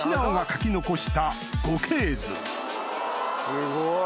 すごい！